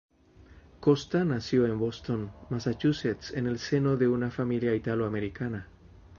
Costa nació en Boston, Massachusetts en el seno de una familia italoamericana.